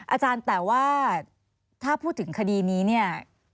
อาจารย์แต่ว่าถ้าพูดถึงคดีนี้เนี่ย